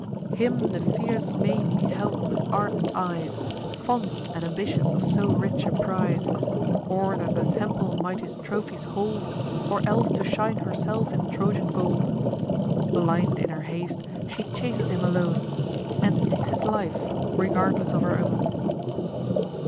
Him the fierce maid beheld with ardent eyes, Fond and ambitious of so rich a prize, Or that the temple might his trophies hold, Or else to shine herself in Trojan gold. Blind in her haste, she chases him alone. And seeks his life, regardless of her own.